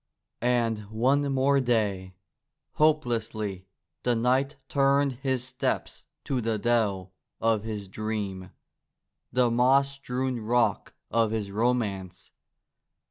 And one more day ! Hopelessly the knight turned his steps to the dell of his dream, the moss strewn rock of his romance.